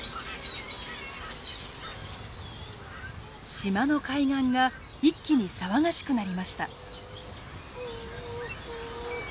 島の海岸が一気に騒がしくなりました。